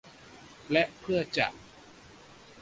และเพื่อจะ